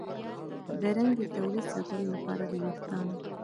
د رنګ د تولید ساتلو لپاره د ویښتانو